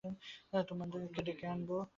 তোমাকে ডেকে আনব।